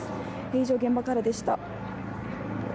以上、現場からでした。